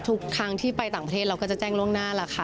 ทุกครั้งที่ไปต่างประเทศเราก็จะแจ้งล่วงหน้าล่ะค่ะ